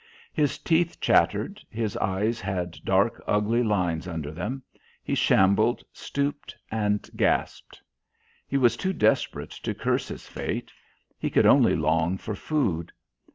His teeth chattered, his eyes had dark, ugly lines under them, he shambled, stooped, and gasped. He was too desperate to curse his fate he could only long for food.